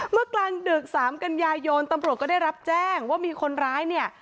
เมื่อกลางดึก๓กันยายนตำรวจก็ได้รับแจ้งว่ามีคนร้ายเนี่ย